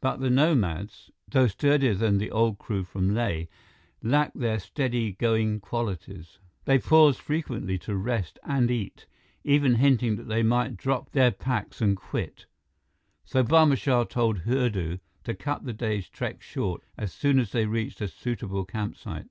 But the nomads, though sturdier than the old crew from Leh, lacked their steady going qualities. They paused frequently to rest and eat, even hinting that they might drop their packs and quit. So Barma Shah told Hurdu to cut the day's trek short as soon as they reached a suitable campsite.